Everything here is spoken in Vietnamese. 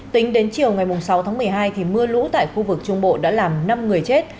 tính đến chiều ngày sáu tháng một mươi hai mưa lũ tại khu vực trung bộ đã làm năm người chết